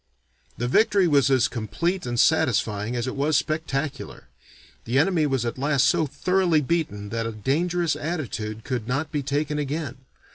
'" The victory was as complete and satisfying as it was spectacular; the enemy was at last so thoroughly beaten that a dangerous attitude could not be taken again.